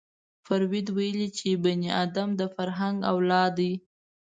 فروید ویلي چې بني ادم د فرهنګ اولاد دی